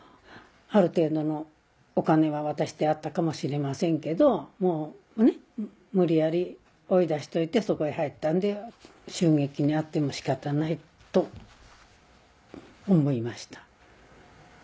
ある程度のお金は渡してあったかもしれませんけどもうね無理やり追い出しといてそこへ入ったんで襲撃に遭っても仕方ないと思いました。